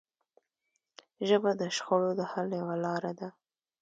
ژبه د شخړو د حل یوه لاره ده